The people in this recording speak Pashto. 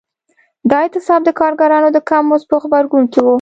دا اعتصاب د کارګرانو د کم مزد په غبرګون کې و.